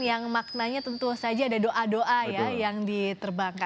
yang maknanya tentu saja ada doa doa ya yang diterbangkan